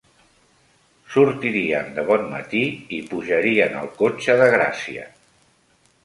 Sortirien de bon matí i pujarien al cotxe de Gracia